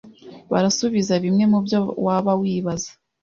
barasubiza bimwe mu byo waba wibaza